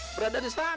berada di sana